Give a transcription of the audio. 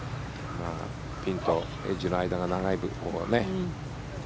ピンとエッジの間が長い分ね。